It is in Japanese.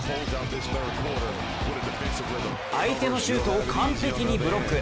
相手のシュートを完璧にブロック。